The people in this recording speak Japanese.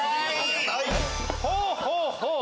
ほうほうほう。